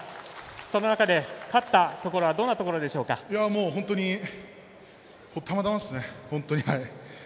その中で勝ったところはたまたまですね、本当に。